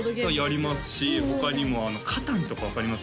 やりますし他にもカタンとか分かります？